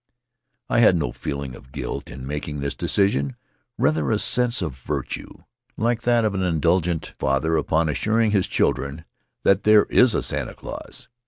I had no feeling of guilt in making this decision; rather, a sense of virtue, like that of an indulgent father upon assuring his children that there is a Santa Claus.